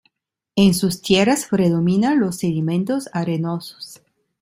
En sus tierras predominan los sedimentos arenosos.